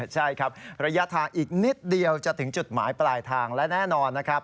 ใช่ครับระยะทางอีกนิดเดียวจะถึงจุดหมายปลายทางและแน่นอนนะครับ